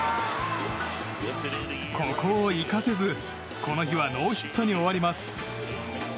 ここを生かせず、この日はノーヒットに終わります。